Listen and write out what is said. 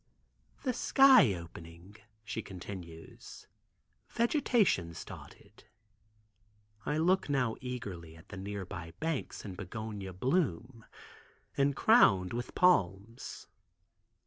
"The sky opening," she continues, "vegetation started." I look now eagerly at the nearby banks in begonia bloom, and crowned with palms.